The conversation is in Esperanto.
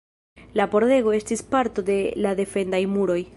La pordego estis parto de la defendaj muroj.